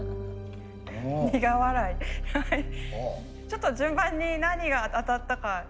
ちょっと順番に何が当たったか。